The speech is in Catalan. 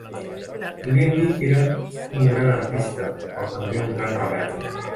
Podríem dir que era un gran artista però també un gran rebel.